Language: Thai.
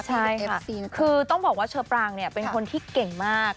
ใช่ค่ะคือต้องบอกว่าเชอปรางเนี่ยเป็นคนที่เก่งมาก